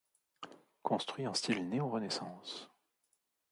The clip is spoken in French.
Construit en style néo-renaissance.